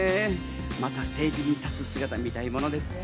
またステージに立つ姿を見たいものですね。